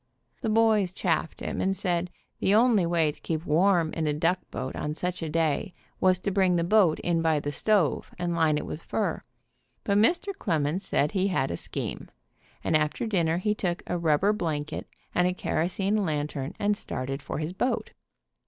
The boys chaffed him, and said the only way to keep warm in a duck boat on such a day was to bring the boat in by the stove, and line it with fur, but Mr. demons said he had a scheme, and after dinner he took a rubber blanket and a kerosene lantern and started for his boat.